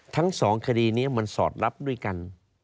ทั้งสองคดีนี้มันสอดรับด้วยกัน